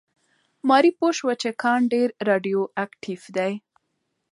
ماري پوه شوه چې کان ډېر راډیواکټیف دی.